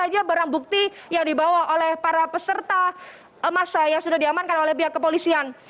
apa saja barang bukti yang dibawa oleh para peserta massa yang sudah diamankan oleh pihak kepolisian